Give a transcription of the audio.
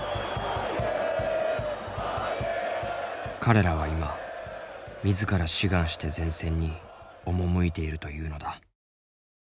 彼らは今自ら志願して前線に赴いているというのだ。